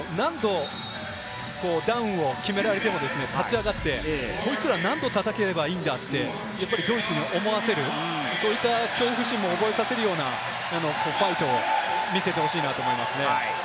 何度ダウンを決められても勝ち上がって、こいつら何度叩けばいいんだってドイツに思わせる、そういった恐怖心を覚えさせるようなファイトを見せてほしいなと思います。